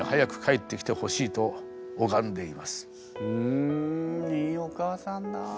んいいお母さんだ。